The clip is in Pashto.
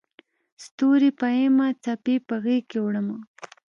ستوري پېیمه څپې په غیږکې وړمه